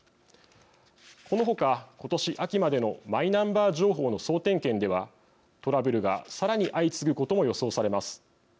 この他、今年秋までのマイナンバー情報の総点検ではトラブルがさらに相次ぐことも予想されます。